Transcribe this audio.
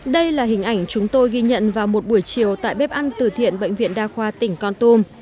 đây là hình ảnh chúng tôi ghi nhận vào một buổi chiều tại bếp ăn từ thiện bệnh viện đa khoa tỉnh con tum